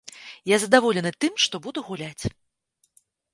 Я задаволены тым, што буду гуляць.